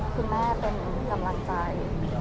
คุณแม่เป็นกำลังใจ